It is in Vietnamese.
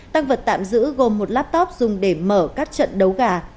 tăng vật tạm giữ gồm một laptop dùng để mở các trận đấu gà